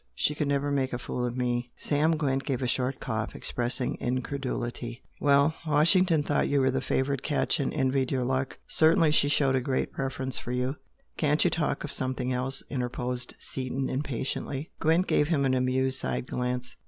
She could never make a fool of ME!" Sam Gwent gave a short cough, expressing incredulity. "Well! Washington thought you were the favoured 'catch' and envied your luck! Certainly she showed a great preference for you " "Can't you talk of something else?" interposed Seaton, impatiently. Gwent gave him an amused side glance.